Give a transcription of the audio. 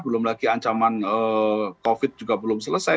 belum lagi ancaman covid juga belum selesai